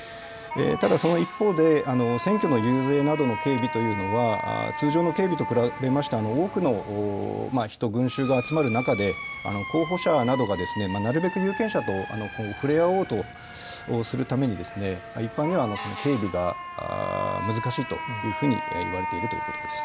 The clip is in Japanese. ただ、その一方で、選挙の遊説などの警備というのは、通常の警備と比べまして、多くの人、群衆が集まる中で、候補者などがなるべく有権者と触れ合おうとするために、一般には警備が難しいというふうにいわれているということです。